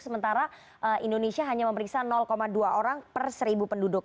sementara indonesia hanya memeriksa dua orang per seribu penduduk